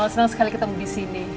senang sekali ketemu di sini